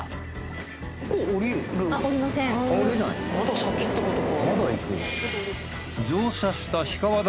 まだ先ってことか。